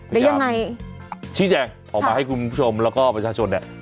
หรือยังไงชี้แจงออกมาให้คุณผู้ชมแล้วก็ประชาชนเนี่ย